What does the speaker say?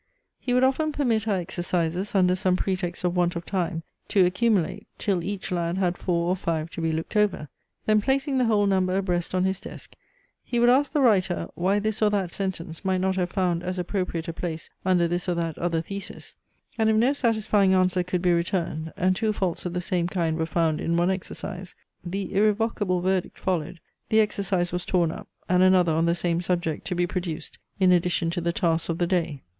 He would often permit our exercises, under some pretext of want of time, to accumulate, till each lad had four or five to be looked over. Then placing the whole number abreast on his desk, he would ask the writer, why this or that sentence might not have found as appropriate a place under this or that other thesis: and if no satisfying answer could be returned, and two faults of the same kind were found in one exercise, the irrevocable verdict followed, the exercise was torn up, and another on the same subject to be produced, in addition to the tasks of the day.